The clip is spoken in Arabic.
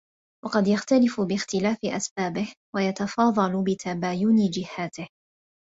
وَقَدْ يَخْتَلِفُ بِاخْتِلَافِ أَسْبَابِهِ وَيَتَفَاضَلُ بِتَبَايُنِ جِهَاتِهِ